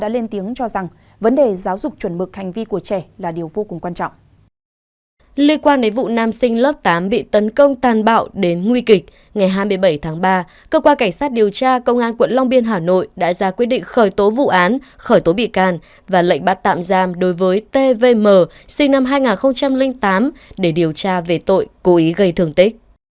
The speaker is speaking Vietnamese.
liên quan đến vụ nam sinh lớp tám bị tấn công tàn bạo đến nguy kịch ngày hai mươi bảy tháng ba cơ quan cảnh sát điều tra công an quận long biên hà nội đã ra quyết định khởi tố vụ án khởi tố bị can và lệnh bắt tạm giam đối với tvm sinh năm hai nghìn tám để điều tra về tội cố ý gây thường tích